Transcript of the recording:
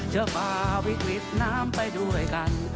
เจ้าฟ้าวิกฤตน้ำไปด้วยกัน